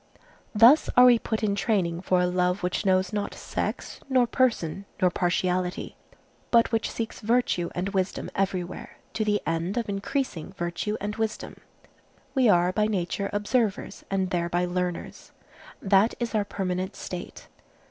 Thus are we put in training for a love which knows not sex, nor person, nor partiality, but which seeks virtue and wisdom everywhere, to the end of increasing virtue and wisdom. We are by nature observers, and thereby learners. That is our permanent state.